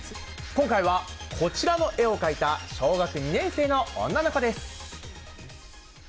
今回はこちらの絵を描いた小学２年生の女の子です。